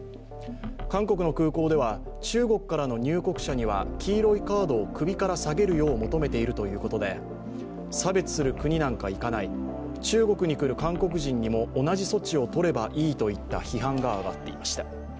韓国の空港では、中国からの入国者には黄色いカードを首からさげるよう求めているということで差別する国なんか行かない、中国に来る韓国人にも同じ措置を取ればいいといった批判が上がっていました。